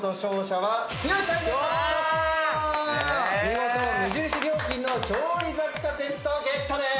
見事無印良品の調理雑貨セットゲットでーす。